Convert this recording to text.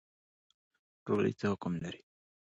ورورولي څه حکم لري؟